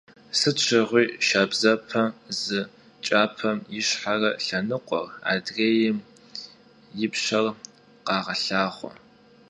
Sıt şığui şşabzepe zı ç'apem yişxhere lhenıkhuer, adrêym yipşer khağelhağue.